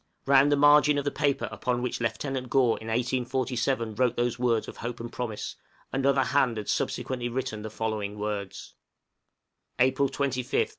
round the margin of the paper upon which Lieutenant Gore in 1847 wrote those words of hope and promise, another hand had subsequently written the following words: "April 25, 1848. H.